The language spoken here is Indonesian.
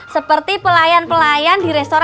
seperti pelayan pelayan di restoran